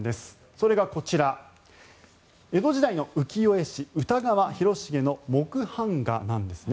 それがこちら江戸時代の浮世絵師歌川広重の木版画なんですね。